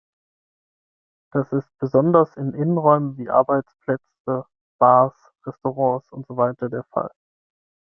Das ist besonders in Innenräumen, wie Arbeitsplätze, Bars, Restaurants und so weiter, der Fall.